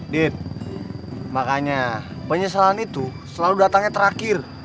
dit makanya penyesalan itu selalu datangnya terakhir